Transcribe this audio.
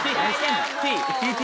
Ｔ？